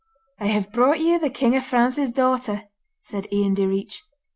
'I have brought you the king of France's daughter,' said Ian Direach.